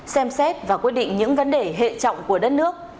xem xét và quyết định những vấn đề hệ trọng của đất nước